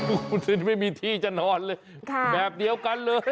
โอ้คุณไม่มีที่จะนอนเลยแบบเดียวกันเลยค่ะ